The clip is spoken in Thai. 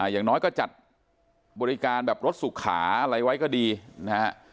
อย่างน้อยก็จัดบริการแบบรถสุขาอะไรไว้ก็ดีนะฮะ